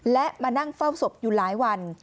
และมานั่งเฝ้าศพอยู่หลายวัน